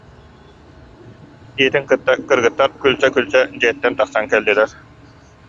диэтин кытта кыргыттар күлсэ-күлсэ дьиэттэн тахсан кэллилэр